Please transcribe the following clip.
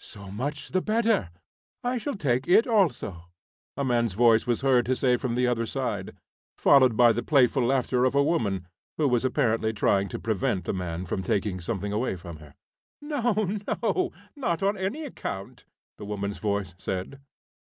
"So much the better. I shall take it also," a man's voice was heard to say from the other side, followed by the playful laughter of a woman, who was apparently trying to prevent the man from taking something away from her. "No, no; not on any account," the woman's voice said.